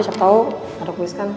siapa tahu ada kuis kan